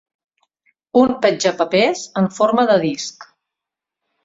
Un petjapapers en forma de disc.